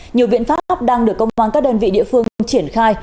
nhiều viện pháp đang được công an các đơn vị địa phương triển khai